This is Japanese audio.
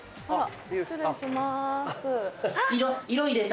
失礼します。